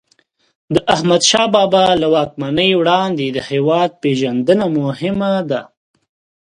د احمدشاه بابا له واکمنۍ وړاندې د هیواد پېژندنه مهم ده.